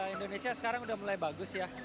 indonesia sekarang udah mulai bagus ya